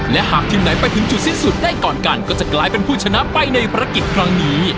และหากทีมไหนไปถึงจุดสิ้นสุดได้ก่อนกันก็จะกลายเป็นผู้ชนะไปในภารกิจครั้งนี้